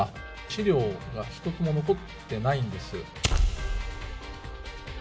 資料が１つも残ってないんです。